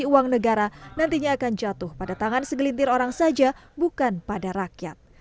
uang negara nantinya akan jatuh pada tangan segelintir orang saja bukan pada rakyat